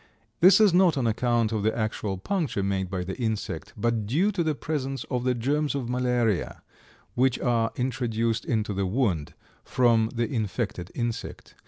This is not on account of the actual puncture made by the insect, but due to the presence of the germs of malaria, which are introduced into the wound from the infected insect.